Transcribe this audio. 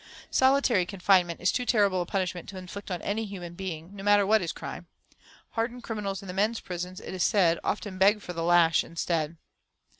Solitary confinement is too terrible a punishment to inflict on any human being, no matter what his crime. Hardened criminals in the men's prisons, it is said, often beg for the lash instead.